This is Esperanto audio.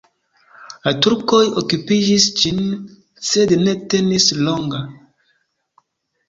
La turkoj okupis ĝin, sed ne tenis longa.